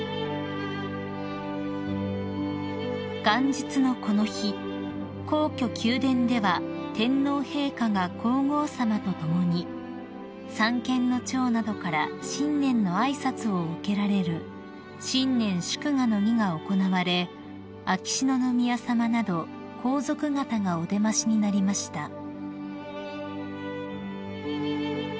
［元日のこの日皇居宮殿では天皇陛下が皇后さまと共に三権の長などから新年の挨拶を受けられる新年祝賀の儀が行われ秋篠宮さまなど皇族方がお出ましになりました］